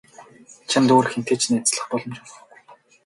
Чамд өөр хэнтэй ч найзлах боломж олгохгүй.